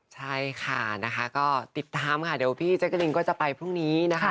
ใช่ค่ะนะคะก็ติดตามค่ะเดี๋ยวพี่แจ๊กกะลินก็จะไปพรุ่งนี้นะคะ